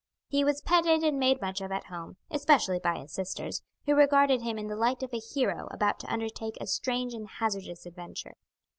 He was petted and made much of at home, especially by his sisters, who regarded him in the light of a hero about to undertake a strange and hazardous adventure.